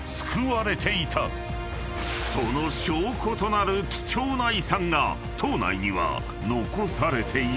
［その証拠となる貴重な遺産が島内には残されている］